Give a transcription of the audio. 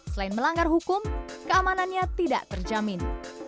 selain melanggar hukum keamanannya tidak terjamin